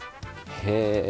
へえ！